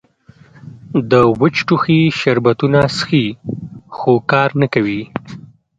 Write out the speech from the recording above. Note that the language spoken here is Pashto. د وچ ټوخي شربتونه څښي خو کار نۀ کوي